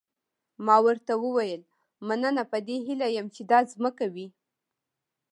ما ورته وویل مننه په دې هیله یم چې دا مځکه وي.